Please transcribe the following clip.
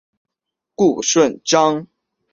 顾顺章。